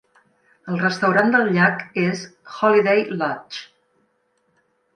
El restaurant del llac és Holiday Lodge.